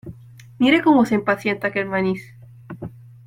mire cómo se impacienta aquel manís.